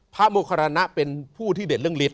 โมคารณะเป็นผู้ที่เด่นเรื่องฤทธ